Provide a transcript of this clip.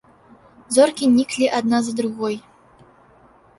Зоркі ніклі адна за другой.